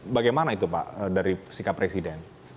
bagaimana itu pak dari sikap presiden